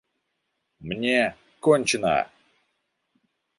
Мне — кончено!